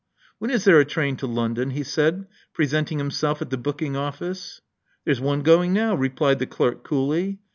'*When is there a train to London?" he said, pre senting himself at the booking office. There's one going now," replied the clerk coolly.